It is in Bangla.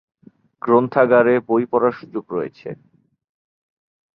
গ্রন্থাগারে বই পড়ার সুবিধা রয়েছে।